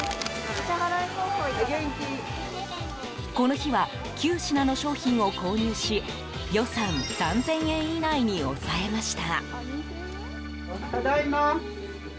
この日は９品の商品を購入し予算３０００円以内に抑えました。